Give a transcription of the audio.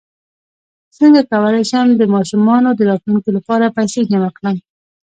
څنګ کولی شم د ماشومانو د راتلونکي لپاره پیسې جمع کړم